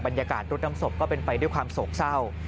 บรรยากาศรถนำศพก็เป็นไปด้วยความโศกเศร้า